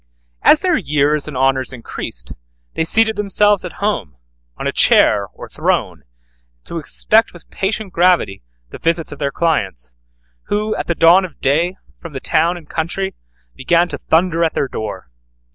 As their years and honors increased, they seated themselves at home on a chair or throne, to expect with patient gravity the visits of their clients, who at the dawn of day, from the town and country, began to thunder at their door.